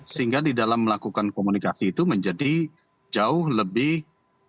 sehingga di dalam melakukan komunikasi itu menjadi jauh lebih